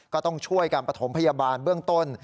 ก็ต้องช่วยการประถมพยาบาลเบื้องต้น